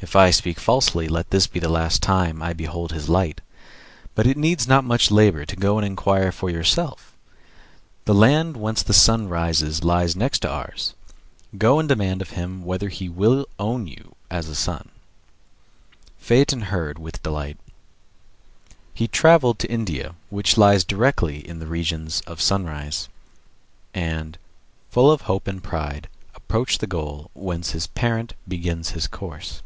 If I speak falsely, let this be the last time I behold his light. But it needs not much labor to go and inquire for yourself; the land whence the Sun rises lies next to ours. Go and demand of him whether he will own you as a son." Phaeton heard with delight. He travelled to India, which lies directly in the regions of sunrise; and, full of hope and pride, approached the goal whence his parent begins his course.